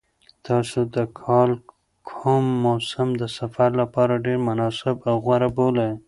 تاسو د کال کوم موسم د سفر لپاره ډېر مناسب او غوره بولئ؟